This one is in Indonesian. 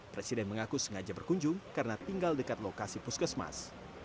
presiden mengaku sengaja berkunjung karena tinggal dekat lokasi puskesmas